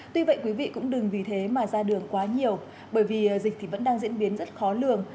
tuy vậy quý vị cũng đừng vì thế mà ra đường quá nhiều bởi vì dịch thì vẫn đang diễn biến rất khó lường